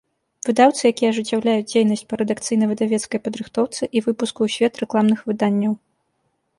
Выдаўцы, якiя ажыццяўляюць дзейнасць па рэдакцыйна-выдавецкай падрыхтоўцы i выпуску ў свет рэкламных выданняў.